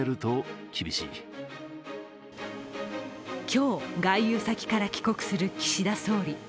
今日、外遊先から帰国する岸田総理。